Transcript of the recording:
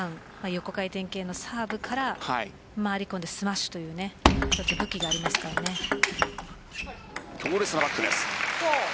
横回転系のサーブから回り込んでスマッシュという強烈なバックです。